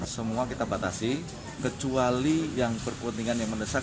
semua kita batasi kecuali yang berkepentingan yang mendesak